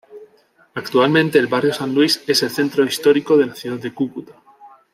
Actualmente el Barrio San Luis es el centro histórico de la ciudad de Cúcuta.